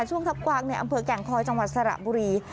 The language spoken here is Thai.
ช่วงทัพกวางในอำเภอแก่งคอยจังหวัดสระบุรี